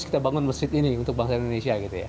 kita bangun masjid ini untuk bangsa indonesia